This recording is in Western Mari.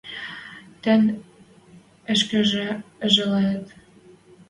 Тӹнь ӹшкежӹ ӹжӓлӓет?